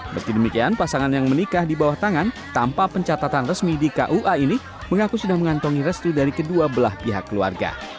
meski demikian pasangan yang menikah di bawah tangan tanpa pencatatan resmi di kua ini mengaku sudah mengantongi restu dari kedua belah pihak keluarga